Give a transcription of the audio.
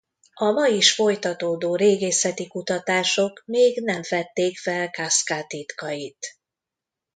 A ma is folytatódó régészeti kutatások még nem fedték fel Caska titkait.